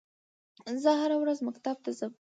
زه هره ورځ مکتب ته ځم